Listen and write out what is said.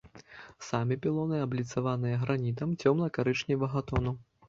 Самі пілоны абліцаваныя гранітам цёмна-карычневага тону.